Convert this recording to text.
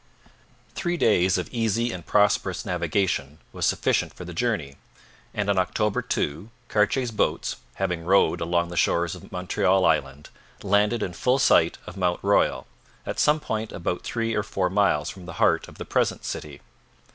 Three days of easy and prosperous navigation was sufficient for the journey, and on October 2, Cartier's boats, having rowed along the shores of Montreal island, landed in full sight of Mount Royal, at some point about three or four miles from the heart of the present city.